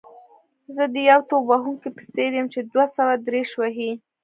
زه د یو توپ وهونکي په څېر یم چې دوه سوه دېرش وهي.